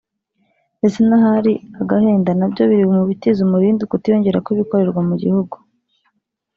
ndetse n’ahari agahenda nabyo biri mu bitiza umurindi ukutiyongera kw’ibikorerwa mu gihugu